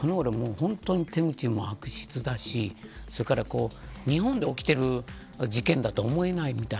手口も悪質だし日本で起きている事件だと思えないみたい。